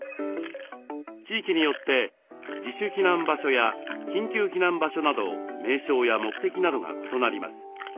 地域によって「自主避難場所」や「緊急避難場所」など名称や目的などが異なります。